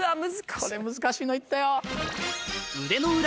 これ難しいの行ったよ。